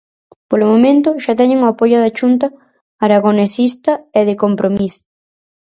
Polo momento, xa teñen o apoio da Chunta Aragonesista e de Compromís.